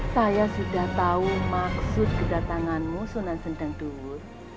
saya sudah tahu maksud kedatanganmu sunan sendang dungur